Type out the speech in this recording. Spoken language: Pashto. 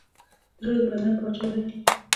زړه د بدن پاچا دی.